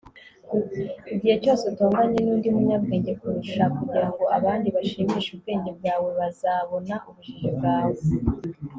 igihe cyose utonganye nundi munyabwenge kukurusha kugirango abandi bashimishe ubwenge bwawe, bazabona ubujiji bwawe